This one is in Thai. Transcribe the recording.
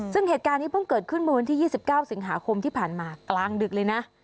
ซึ่งเหตุการณ์นี้เพิ่งเกิดขึ้นเมื่อวันที่๒๙สิงหาคมที่ผ่านมากลางดึกเลยนะ